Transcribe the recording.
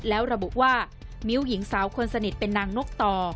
แล้วระบุว่ามิ้วหญิงสาวคนสนิทเป็นนางนกต่อ